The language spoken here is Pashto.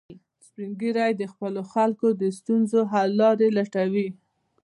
سپین ږیری د خپلو خلکو د ستونزو حل لارې لټوي